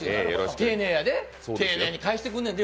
丁寧やで、丁寧に返してくんねんで。